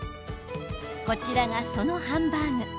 こちらが、そのハンバーグ。